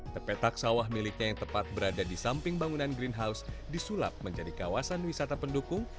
tepetak sawah miliknya yang tepat berada di samping bangunan greenhouse disulap menjadi kawasan wisata pendukung